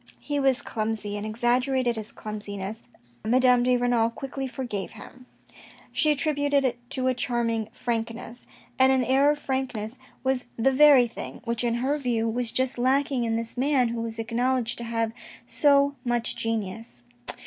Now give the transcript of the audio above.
He was clumsy, and exaggerated his clumsiness, Madame de Renal quickly forgave him. She attributed it to a charm ing frankness. And an air of frankness was the very thing 86 THE RED AND THE BLACK which in her view was just lacking in this man who was acknowledged to have so much genius.